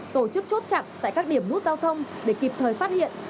tổ chức chốt chặn tại các điểm nút giao thông để kịp thời phát hiện